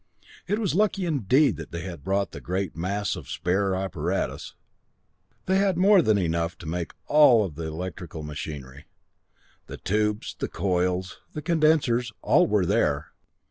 It was lucky indeed that they had brought the great mass of spare apparatus! They had more than enough to make all the electrical machinery. The tubes, the coils, the condensers, all were there.